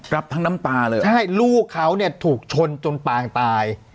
รับทั้งน้ำตาเลยใช่ลูกเขาเนี่ยถูกชนจนปางตาย